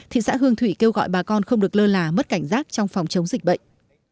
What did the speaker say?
thị xã hương thủy kêu gọi bà con không được lơ là mất cảnh giác trong phòng chống dịch bệnh